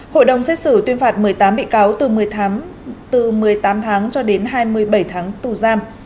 hội đồng xét xử tuyên phạt một mươi tám bị cáo từ một mươi tám tháng cho đến hai mươi bảy tháng tù giam